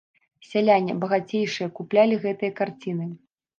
Сяляне, багацейшыя, куплялі гэтыя карціны.